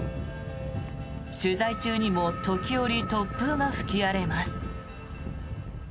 取材中にも時折、突風が吹き荒れます。